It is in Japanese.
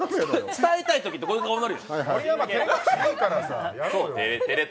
伝えたいときって、こういう顔になるよ。